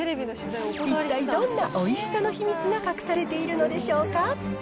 一体どんなおいしさの秘密が隠されているんでしょうか。